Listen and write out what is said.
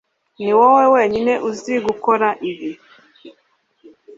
niwowe wenyine uzi gukora ibi